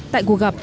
tại cuộc gặp